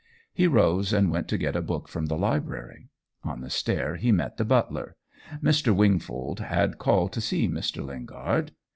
He rose and went to get a book from the library. On the stair he met the butler: Mr. Wingfold had called to see Mr. Lingard.